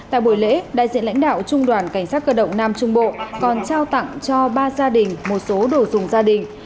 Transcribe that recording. tại buổi lễ đại diện lãnh đạo trung đoàn cảnh sát cơ động nam trung bộ còn trao tặng cho ba gia đình một số đồ dùng gia đình